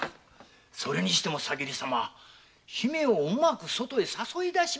それにしても挟霧様姫をうまく外へ誘い出しましたな。